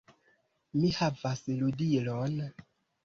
Mi havas ludilon!